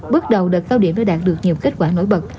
bước đầu đợt cao điểm đã đạt được nhiều kết quả nổi bật